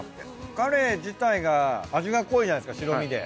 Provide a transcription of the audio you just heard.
カレイ自体が味が濃いじゃないですか白身で。